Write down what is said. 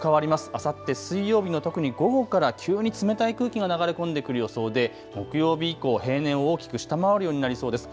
あさって水曜日の特に午後から急に冷たい空気が流れ込んでくる予想で木曜日以降、平年を大きく下回るようになりそうです。